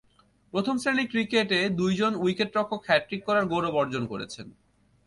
প্রথম-শ্রেণীর ক্রিকেটে দুইজন উইকেট-রক্ষক হ্যাট্রিক করার গৌরব অর্জন করেছেন।